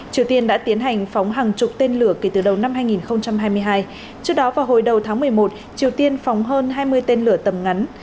triều tiên đã tiến hành phóng hàng chục tên lửa kể từ đầu năm hai nghìn hai mươi hai trước đó vào hồi đầu tháng một mươi một triều tiên phóng hơn hai mươi tên lửa tầm ngắn